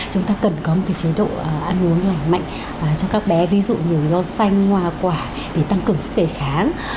chúng ta cần có một cái chế độ ăn uống lành mạnh cho các bé ví dụ nhiều rau xanh hoa quả để tăng cường sức khỏe kháng